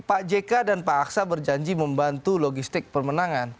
pak jk dan pak aksa berjanji membantu logistik permenangan